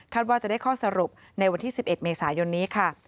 ว่าจะได้ข้อสรุปในวันที่๑๑เมษายนนี้ค่ะ